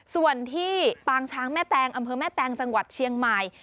ส่วนที่ปางช้างแม่แตงอำเภอแม่แตงจังหวัดเชียงใหม่